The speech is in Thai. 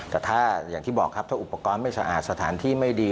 แต่ถ้าอย่างที่บอกครับถ้าอุปกรณ์ไม่สะอาดสถานที่ไม่ดี